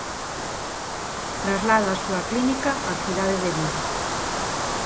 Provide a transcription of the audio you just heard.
Traslada a súa clínica á cidade de Vigo.